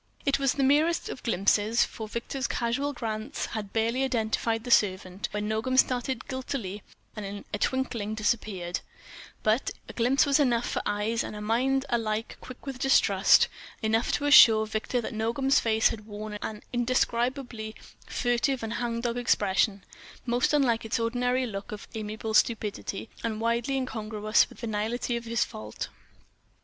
It was the merest of glimpses; for Victor's casual glance had barely identified the servant when Nogam started guiltily and in a twinkling disappeared; but a glimpse was enough for eyes and a mind alike quick with distrust, enough to assure Victor that Nogam's face had worn an indescribably furtive and hangdog expression, most unlike its ordinary look of amiable stupidity, and widely incongruous with the veniality of his fault.